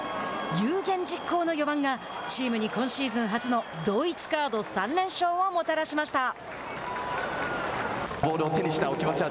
有言実行の４番がチームに今シーズン初の同一カード３連勝をもたらしました。